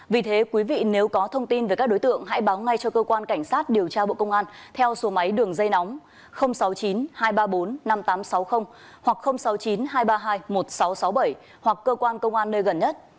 vì thế quý vị nếu có thông tin về các đối tượng hãy báo ngay cho cơ quan cảnh sát điều tra bộ công an theo số máy đường dây nóng sáu mươi chín hai trăm ba mươi bốn năm nghìn tám trăm sáu mươi hoặc sáu mươi chín hai trăm ba mươi hai một nghìn sáu trăm sáu mươi bảy hoặc cơ quan công an nơi gần nhất